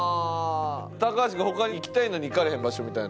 橋君他に行きたいのに行かれへん場所みたいな？